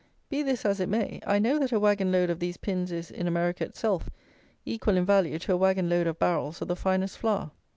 Be this as it may, I know that a waggon load of these pins is, in America itself, equal in value to a waggon load of barrels of the finest flour.